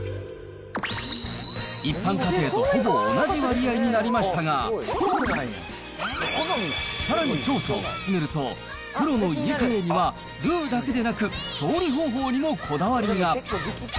一般家庭とほぼ同じ割合になりましたが、さらに調査を進めると、プロの家カレーにはルーだけでなく、調理方法にもこだわりが。